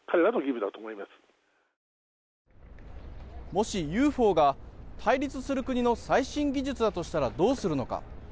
もし、ＵＦＯが対立する国の最新技術だとしたらどうするのか。